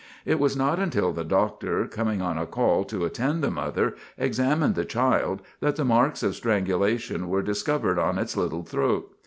It was not until the doctor, coming on a call to attend the mother, examined the child, that the marks of strangulation were discovered on its little throat.